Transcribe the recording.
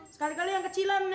sekali kali yang kecilan